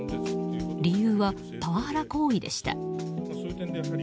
理由はパワハラ行為でした。